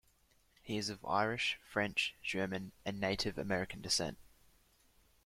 He is of Irish, French, German, and Native American descent.